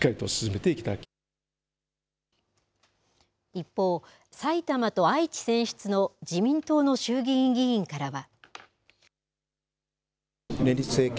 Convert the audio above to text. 一方、埼玉と愛知選出の自民党の衆議院議員からは。